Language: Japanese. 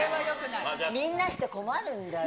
みんなして困るんだよ。